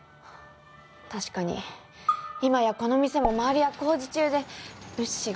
確かに今やこの店も周りは工事中で物資が入ってこない。